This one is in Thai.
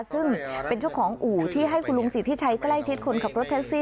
ซึ่งเป็นเจ้าของอู่ที่ให้คุณลุงสิทธิชัยใกล้ชิดคนขับรถแท็กซี่